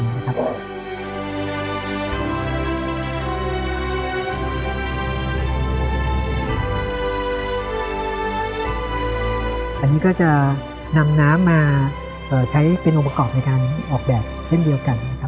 อันนี้ก็จะนำน้ำมาใช้เป็นองค์ประกอบในการออกแบบเช่นเดียวกันนะครับ